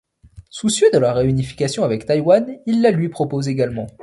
Soucieux de la réunification avec Taïwan, il la lui propose également.